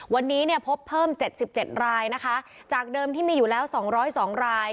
วันนี้เนี่ยพบเพิ่มเจ็ดสิบเจ็ดรายนะคะจากเดิมที่มีอยู่แล้วสองร้อยสองราย